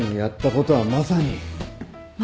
まさに？